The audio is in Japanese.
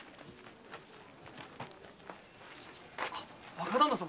若旦那様！